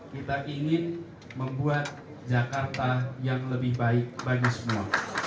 kita ingin membuat jakarta yang lebih baik bagi semua